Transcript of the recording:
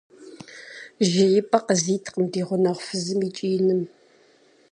Жеипӏэ къызиткъым ди гъунэгъу фызым и кӏииным.